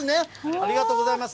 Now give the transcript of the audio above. ありがとうございます。